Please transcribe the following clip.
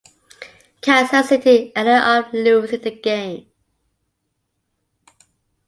Kansas City ended up losing the game.